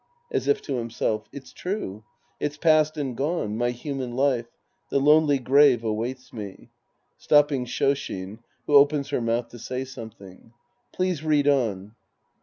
{As if to himself^ It's true, it's past and gone. My human life. The lonely grave awaits me. {Stopping Sh5shin, who opens her mouth to say something^ Please read on.